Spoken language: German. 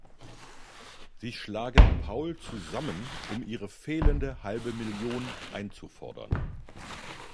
Sie schlagen Paul zusammen, um ihre fehlende halbe Million einzufordern.